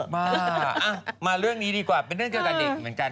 มามาเรื่องนี้ดีกว่าเป็นเรื่องเกี่ยวกับเด็กเหมือนกัน